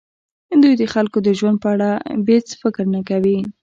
دوی د خلکو د ژوند په اړه بېڅ فکر نه کوي.